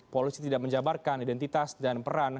polisi tidak menjabarkan identitas dan peran